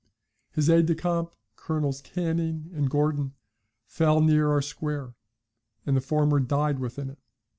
His aides de camp, Colonels Canning and Gordon, fell near our square, and the former died within it.